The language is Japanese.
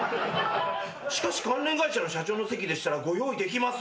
「しかし関連会社の社長の席でしたらご用意できます」